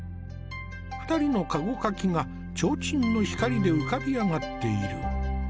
２人の駕籠かきが提灯の光で浮かび上がっている。